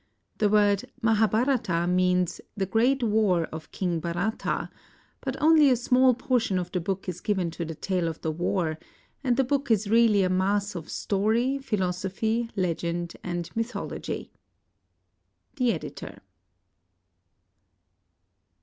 The word " Mahabharata " means "the great war of King Bharata"; but only a small portion of the book is given to the tale of the war, and the book is really a mass of story, philosophy, legend, and mythology. The Editor.